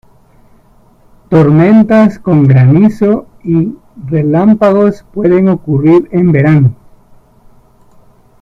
Tormentas con granizo y relámpagos pueden ocurrir en verano.